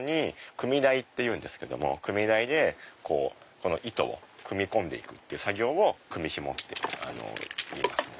組み台というんですけど組み台でこの糸を組み込んで行く作業を組み紐っていいます。